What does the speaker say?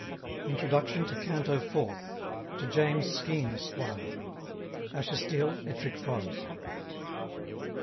INTRODUCTION TO CANTO FOURTH. TO JAMES SKENE, ESQ. Ashestiel, Ettrick Forest.